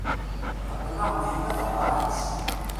Aql-aɣ neḥma taqaƐet.